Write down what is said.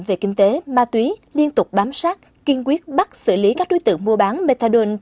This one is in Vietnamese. về những bệnh nhân nghiện có nhu cầu để sử dụng